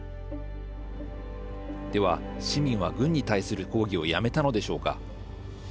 では市民は、軍に対する抗議をやめたのでしょうか。